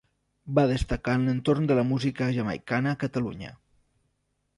Va destacar en l'entorn de la música jamaicana a Catalunya.